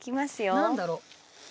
何だろう？